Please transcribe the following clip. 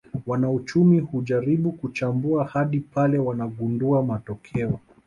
Wanauchumi hujaribu kuchambua hadi pale wanagundua matokeo